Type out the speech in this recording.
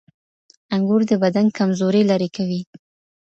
انګور د بدن کمزوري لرې کوي.